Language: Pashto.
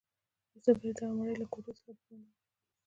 وروسته به یې دغه مړی له کوټې څخه دباندې یووړ.